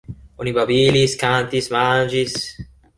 Oni babilis, kantis, manĝis.